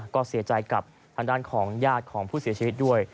ก็เสียใจกับทางด้านของญาติของผู้เสียชีวิตด้วย